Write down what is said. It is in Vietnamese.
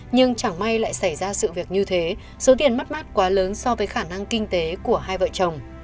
nhưng chẳng may lại xảy ra sự việc như thế số tiền mất mát quá lớn so với khả năng kinh tế của hai vợ chồng